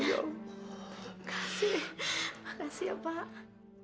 alhamdulillah ya allah